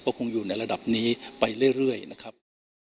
ก็คงอยู่ในระดับนี้ไปเรื่อยนะครับ